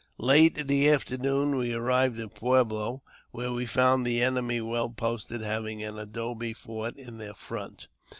Late in the afternoon we arrived at Pueblo, where we found the enemy well posted, having an adobe fort in their front.